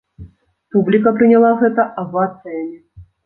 Публіка прыняла гэта авацыямі!